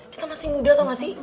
kita masih muda tau ga sih